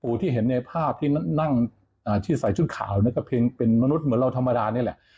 ที่เห็นในภาพที่นั่งที่ใส่ชุดขาวนั่นก็เพียงเป็นมนุษย์เหมือนเราธรรมดานี่แหละ